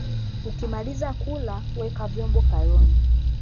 Ukimaliza kula weka vyombo karoni